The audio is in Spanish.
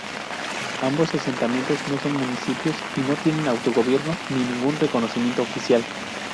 Ambos asentamientos no son municipios y no tienen autogobierno ni ningún reconocimiento oficial.